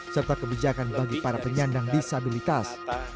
serta kebijakan bagi para penyandang disabilitas